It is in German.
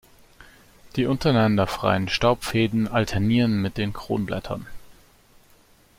Die untereinander freien Staubfäden alternieren mit den Kronblättern.